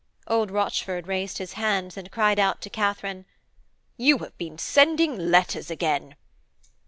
Old Rochford raised his hands, and cried out to Katharine: 'You have been sending letters again!'